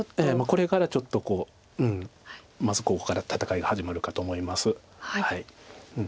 これからはちょっとまずここから戦いが始まるかと思います。